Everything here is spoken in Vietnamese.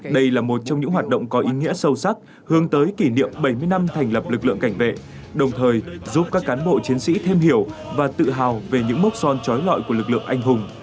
đây là một trong những hoạt động có ý nghĩa sâu sắc hướng tới kỷ niệm bảy mươi năm thành lập lực lượng cảnh vệ đồng thời giúp các cán bộ chiến sĩ thêm hiểu và tự hào về những mốc son trói lọi của lực lượng anh hùng